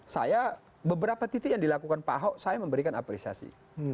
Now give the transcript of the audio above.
saya beberapa titik yang dilakukan pak ahok saya memberikan apresiasi